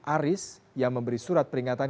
aris yang memberi surat peringatan